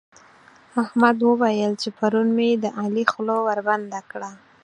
احمد ويل چې پرون مې د علي خوله وربنده کړه.